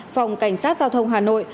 phòng cảnh sát giao thông hà nội